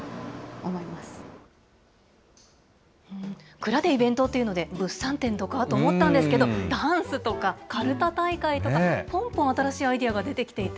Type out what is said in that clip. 蔵でイベントっていうので、物産展とか？と思ったんですけど、ダンスとか、かるた大会とか、ぽんぽん新しいアイデアが出てきていて。